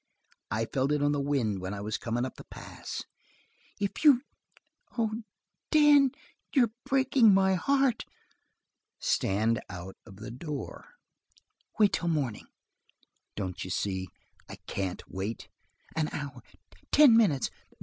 I felt it on the wind when I was comin' up the pass." "If you oh, Dan, you're breaking my heart!" "Stand out of the door." "Wait till the morning." "Don't you see I can't wait?" "One hour, ten minutes.